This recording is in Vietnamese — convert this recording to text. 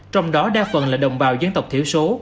trong đó đa phần là đồng bào dân tộc thiểu số